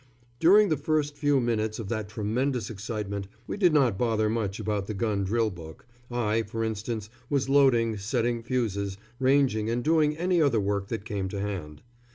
During the first few minutes of that tremendous excitement we did not bother much about the gun drill book I, for instance, was loading, setting fuses, ranging and doing any other work that came to hand.